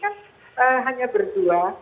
kan hanya berdua